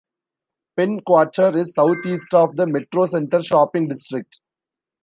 Penn Quarter is southeast of the Metro Center shopping district.